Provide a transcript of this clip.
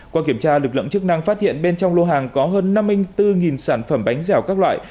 qua kiểm tra lực lượng chức năng phát hiện bên trong lô hàng có hơn năm mươi bốn sản phẩm bánh dẻo các loại